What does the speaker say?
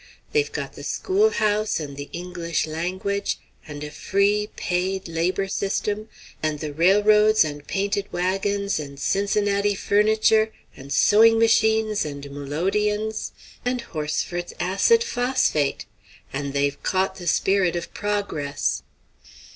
They've got the schoolhouse, and the English language, and a free paid labor system, and the railroads, and painted wagons, and Cincinnati furniture, and sewing machines, and melodeons, and Horsford's Acid Phosphate; and they've caught the spirit of progress!"